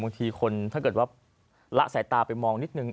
บางทีคนถ้าเกิดว่าละสายตาไปมองนิดนึง